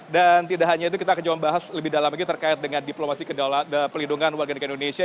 dan tidak hanya itu kita akan coba bahas lebih dalam lagi terkait dengan diplomasi pelindungan warga negara indonesia